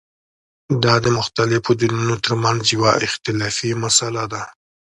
دا د مختلفو دینونو ترمنځه یوه اختلافي مسله ده.